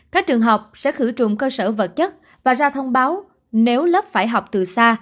các trường học sẽ khử trùng cơ sở vật chất và ra thông báo nếu lớp phải học từ xa